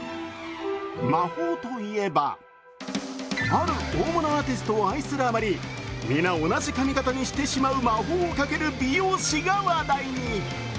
魔法といえば、ある大物アーティストを愛するあまりみんな同じ髪形にしてしまう魔法をかける美容師が話題に。